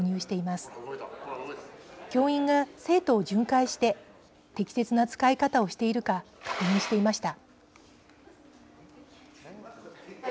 教員が生徒を巡回して適切な使い方をしているか確認していました。